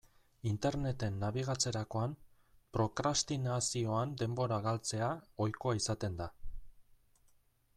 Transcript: Interneten nabigatzerakoan, prokrastinazioan denbora galtzea ohikoa izaten da.